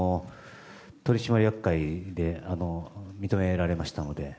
取締役会で認められましたので。